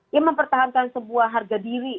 dia mempertahankan sebuah harga diri